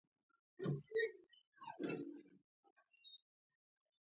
اوس مهال یو سل او یو نوي هیوادونه غړیتوب لري.